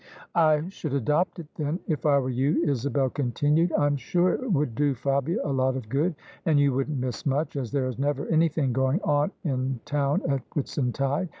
" I should adopt it, then, if I were you," Isabel continued ; "I'm sure it would do Fabia a lot of good. And you wouldn't miss much, as there is never anything going on in town at Whitsuntide.